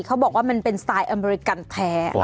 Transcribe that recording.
เขาบอกว่ามันเป็นสไตล์อเมริกันแท้